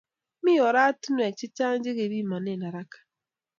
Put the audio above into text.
Mi oratunwek chechang che kepimane haraka